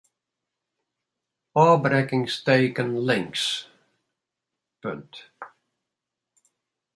Ofbrekkingsteken links.